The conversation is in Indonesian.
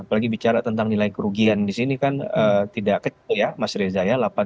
apalagi bicara tentang nilai kerugian di sini kan tidak kecil ya mas reza ya